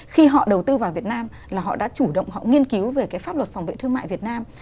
khi họ đầu tư vào việt nam là họ đã chủ động họ nghiên cứu về cái pháp luật phòng vệ thương mại việt nam